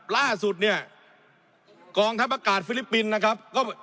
ล่าสุดเนี่ยกองทัพอากาศฟิลิปปินส์นะครับก็